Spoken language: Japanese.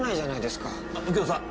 右京さん。